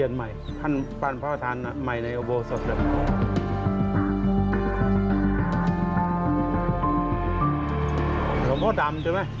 อำ่าวพ่อดำใช่ไหม